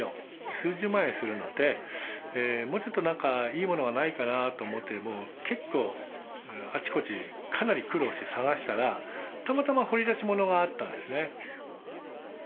数十万円するのでもうちょっと何かいい物がないかなと思って結構あちこちかなり苦労して探したらたまたま掘り出し物があったんですね。